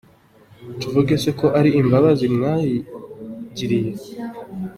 Tuvuge se ko ari imbabazi mwayigiriye.